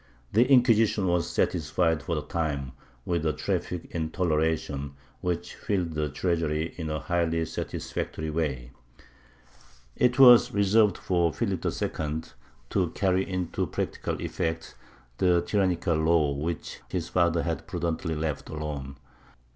The Inquisition was satisfied for the time with a "traffic in toleration" which filled the treasury in a highly satisfactory way. It was reserved for Philip II. to carry into practical effect the tyrannical law which his father had prudently left alone.